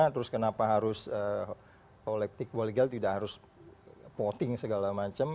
terus kenapa harus kolektif kolegal tidak harus voting segala macam